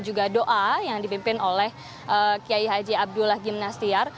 juga doa yang dipimpin oleh kiai haji abdullah gimnastiar